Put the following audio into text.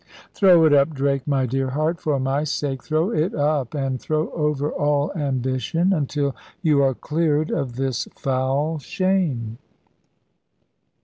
"Throw it up, Drake; my dear heart, for my sake, throw it up, and throw over all ambition, until you are cleared of this foul shame."